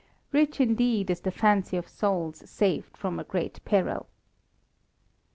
Rich indeed is the fancy of souls saved from a great peril.